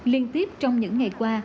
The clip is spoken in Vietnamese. liên tiếp trong những ngày qua